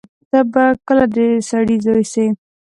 ته به کله د سړی زوی سې.